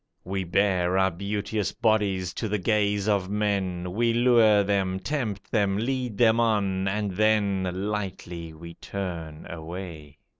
We bare our beauteous bodies to the gaze of men, We lure them, tempt them, lead them on, and then Lightly we turn away.